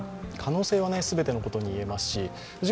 可能性は全てのことに言えますし。